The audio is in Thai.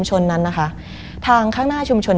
มันกลายเป็นรูปของคนที่กำลังขโมยคิ้วแล้วก็ร้องไห้อยู่